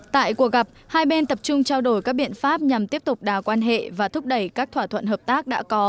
tại cuộc gặp hai bên tập trung trao đổi các biện pháp nhằm tiếp tục đào quan hệ và thúc đẩy các thỏa thuận hợp tác đã có